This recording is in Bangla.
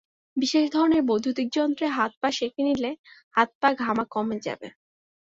বিশেষ ধরনের বৈদ্যুতিক যন্ত্রে হাত-পা সেকে নিলে হাত-পা ঘামা কমে যাবে।